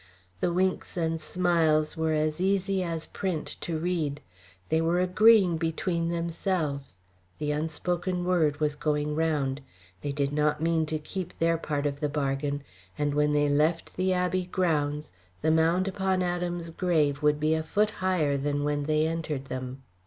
The winks and smiles were easy as print to read. They were agreeing between themselves: the unspoken word was going round; they did not mean to keep their part of the bargain, and when they left the Abbey grounds the mound upon Adam's grave would be a foot higher than when they entered them.